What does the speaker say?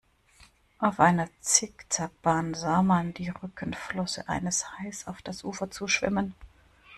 Auf einer Zickzack-Bahn sah man die Rückenflosse eines Hais auf das Ufer zuschwimmen.